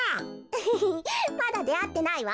アハハまだであってないわ。